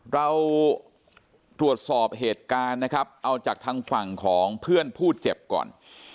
เราตรวจสอบเหตุการณ์นะครับเอาจากทางฝั่งของเพื่อนผู้เจ็บก่อน